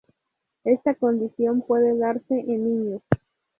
Esta condición puede darse en niños.